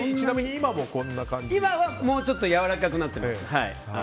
今はもうちょっとやわらかくなっています。